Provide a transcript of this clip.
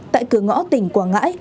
tại cửa ngõ tỉnh quảng ngãi